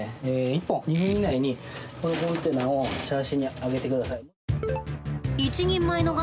１本２分以内にこのコンテナをシャーシに上げて下さい。